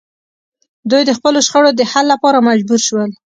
دوی د خپلو شخړو د حل لپاره مجبور شول